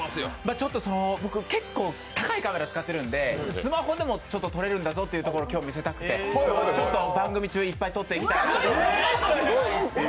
ちょっと僕、結構高いカメラ浸かってるんで、スマホでも撮れるんだぞというところを今日は見せたくて、番組中いっぱい撮っていきたいと思います。